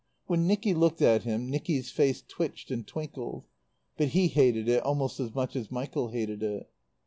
When Nicky looked at him Nicky's face twitched and twinkled. But he hated it almost as much as Michael hated it.